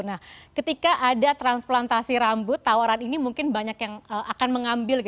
nah ketika ada transplantasi rambut tawaran ini mungkin banyak yang akan mengambil